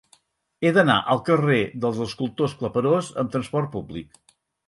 He d'anar al carrer dels Escultors Claperós amb trasport públic.